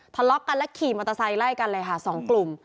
ทะเลาะกันและขี่มอเตอร์ไซค์ไล่กันเลยค่ะสองกลุ่ม